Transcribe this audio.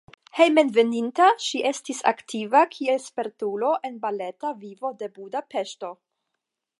Hejmenveninta ŝi estis aktiva kiel spertulo en baleta vivo de Budapeŝto.